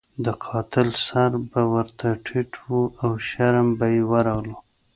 د قاتل سر به ورته ټیټ وو او شرم به یې ورغلو.